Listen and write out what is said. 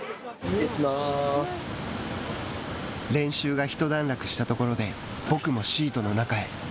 練習が一段落したところで僕もシートの中へ。